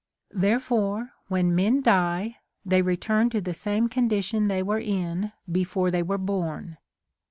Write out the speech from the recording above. There fore, when men die, they return to the same condition they were in before they were born.